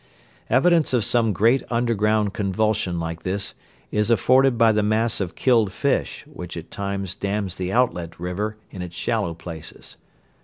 Evidence of some great underground convulsion like this is afforded by the mass of killed fish which at times dams the outlet river in its shallow places.